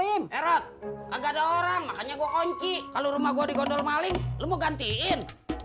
im erot enggak ada orang makanya gua onci kalau rumah gua di gondol maling lu gantiin